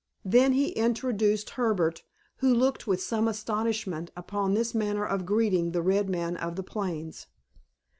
Then he introduced Herbert, who looked with some astonishment upon this manner of greeting the red man of the plains.